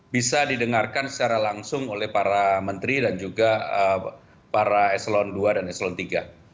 bisa didengarkan secara langsung oleh para menteri dan juga para eselon dua dan eselon iii